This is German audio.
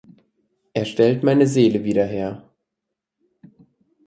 Er stellt meine Seele wieder her.